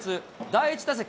第１打席。